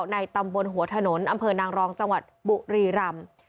ในตำบลหัวถนนอำเภอนางรองจังหวัดบุรีรำ